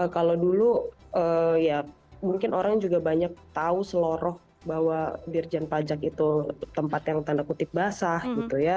kalau dulu ya mungkin orang juga banyak tahu seloroh bahwa dirjen pajak itu tempat yang tanda kutip basah gitu ya